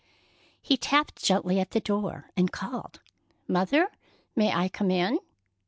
He tapped gently at the door, and called, "Mother, may I come in?"